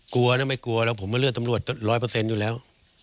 กลัวนะไม่กลัวแล้วผมมาเลือกตำรวจร้อยเปอร์เซ็นต์อยู่แล้ว